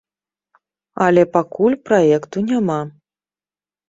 Але пакуль праекту няма.